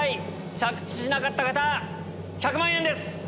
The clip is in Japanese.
着地しなかった方１００万円です！